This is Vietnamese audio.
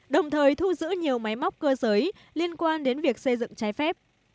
đồng thời thu giữ nhiều máy móc cơ giới liên quan đến việc xây dựng trái phép